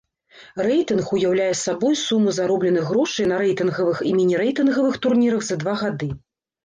Рэйтынг уяўляе сабой суму заробленых грошай на рэйтынгавых і міні-рэйтынгавых турнірах за два гады.